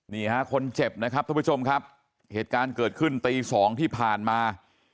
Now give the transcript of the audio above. นี่ฮะคนเจ็บนะครับทุกผู้ชมครับเหตุการณ์เกิดขึ้นตีสองที่ผ่านมา